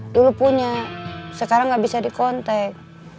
dulu punya sekarang gak bisa di kontek